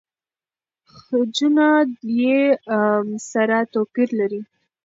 خجونه يې سره توپیر لري.